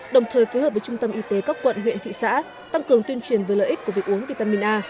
đồng thời phối hợp với trung tâm y tế các quận huyện thị xã tăng cường tuyên truyền về lợi ích của việc uống vitamin a